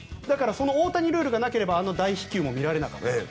だからその大谷ルールがなければあの大飛球も見られなかった。